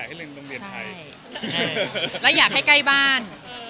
หรืออยากให้ใกล้บ้าน